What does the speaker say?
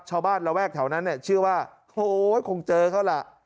ชาวบ้านระแวกแถวนั้นเนี่ยชื่อว่าโหคงเจอเขาล่ะ